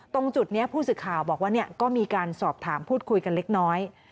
ตรงจุดนี้ผู้สื่อข่าวบอกว่าก็มีการสอบถามพูดคุยกันเล็กน้อย